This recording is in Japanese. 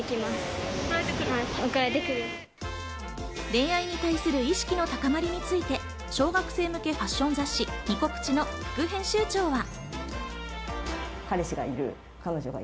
恋愛に対する意識の高まりについて小学生向けファッション雑誌『ニコ☆プチ』の副編集長は。